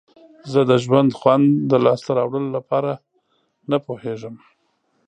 زه د ژوند خوند د لاسته راوړلو لپاره نه پوهیږم.